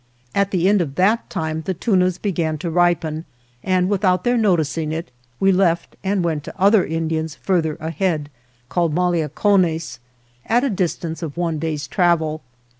At the end of that time the tunas began to ripen, and without their noticing it we left and went to other Indians further ahead, called Maliacones, at a distance of one day's travel.